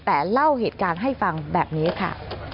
แต่เล่าเหตุการณ์ให้ฟังแบบนี้ค่ะ